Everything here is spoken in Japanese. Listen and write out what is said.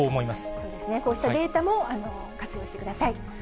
そうですね、こうしたデータも活用してください。